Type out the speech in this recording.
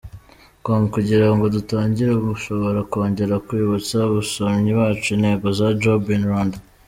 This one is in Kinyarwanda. com : Kugirango dutangire, mushobora kongera kwibutsa abasomyi bacu intego za Job in Rwanda.